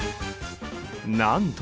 なんと！